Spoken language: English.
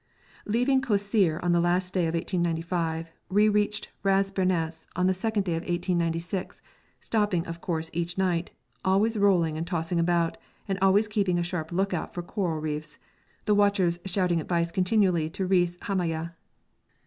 Leaving Kosseir on the last day of 1895, we reached Ras Bernas on the second day of 1896, stopping, of course, each night, always rolling and tossing about, and always keeping a sharp look out for coral reefs, the watchers shouting advice continually to Reis Hamaya.